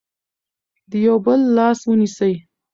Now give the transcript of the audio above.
د یو بل لاس ونیسئ.